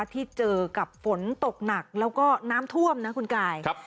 ที่เจอกับฝนตกหนักแล้วก็น้ำท่วมนะคุณกาย